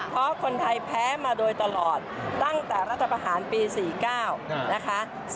เพราะคนไทยแพ้มาโดยตลอดตั้งแต่รัฐประหารปี๔๙นะคะ